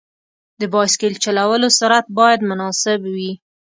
د بایسکل چلولو سرعت باید مناسب وي.